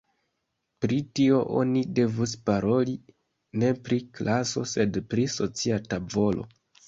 Pri tio oni devus paroli ne pri klaso, sed pri socia tavolo.